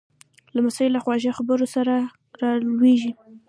لمسی له خواږه خبرو سره را لویېږي.